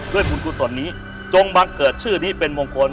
บุญกุศลนี้จงบังเกิดชื่อนี้เป็นมงคล